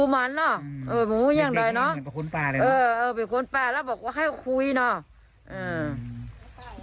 มีคนแปลแล้วบอกว่าให้คุยนะ